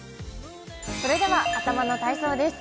それでは頭の体操です。